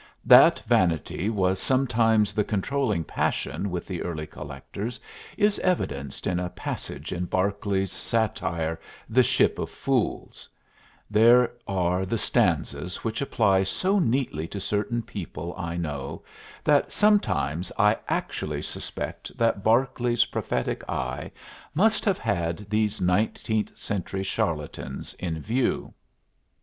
That vanity was sometimes the controlling passion with the early collectors is evidenced in a passage in Barclay's satire, "The Ship of Fools"; there are the stanzas which apply so neatly to certain people I know that sometimes I actually suspect that Barclay's prophetic eye must have had these nineteenth century charlatans in view.